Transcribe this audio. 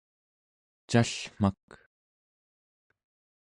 callmak